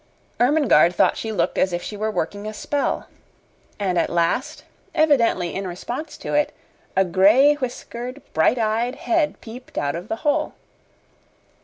Ermengarde thought she looked as if she were working a spell. And at last, evidently in response to it, a gray whiskered, bright eyed head peeped out of the hole.